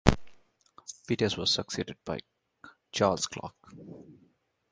Pettus was succeeded by Charles Clark.